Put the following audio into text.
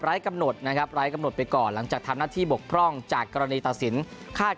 กำหนดนะครับไร้กำหนดไปก่อนหลังจากทำหน้าที่บกพร่องจากกรณีตัดสินคาด